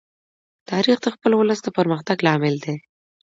تاریخ د خپل ولس د پرمختګ لامل دی.